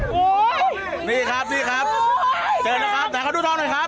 โอ้ยนี่ครับนี่ครับโอ้ยเจอนะครับแต่เขาดูท่องหน่อยครับ